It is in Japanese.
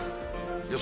予想